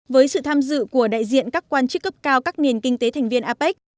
với sự tham dự của đại diện các quan chức cấp cao các nền kinh tế thành viên apec